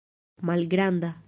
malgranda